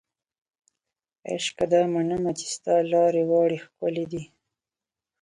عشقه دا منمه چې ستا لارې واړې ښکلې دي